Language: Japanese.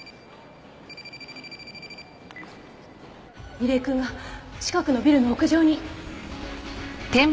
楡井くんが近くのビルの屋上に。